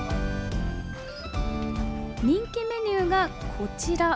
人気メニューがこちら。